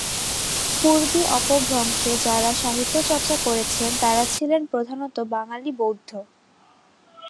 পূর্বী অপভ্রংশে যাঁরা সাহিত্য চর্চা করেছেন তাঁরা ছিলেন প্রধানত বাঙালি বৌদ্ধ।